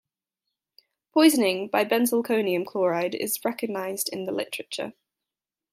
Poisoning by benzalkonium chloride is recognised in the literature.